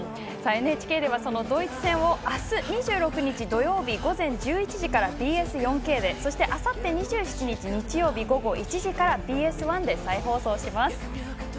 ＮＨＫではそのドイツ戦をあす午前１１時からＢＳ４ＫでＢＳ４Ｋであさって２７日、日曜日午後１時からＢＳ１で再放送します。